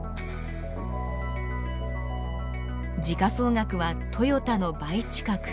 時価総額はトヨタの倍近く。